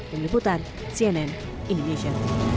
pemiliputan cnn indonesia